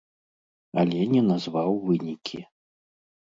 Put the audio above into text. Але не назваў вынікі.